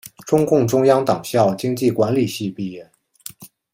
中共中央党校经济管理系毕业。